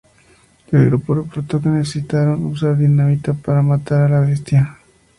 El grupo reporto que necesitaron usar dinamita para matar a la bestia.